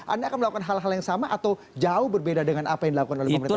anda akan melakukan hal hal yang sama atau jauh berbeda dengan apa yang dilakukan oleh pemerintah